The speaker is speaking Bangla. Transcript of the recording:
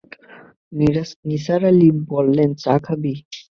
নিসার আলি বললেন, চা খাবি?